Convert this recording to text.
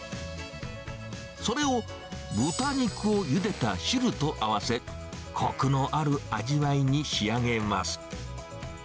それを豚肉をゆでた汁と合わせ、こくのある味わいに仕上げます。